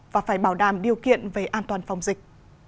và phải bảo đảm điều kiện về an toàn phòng dịch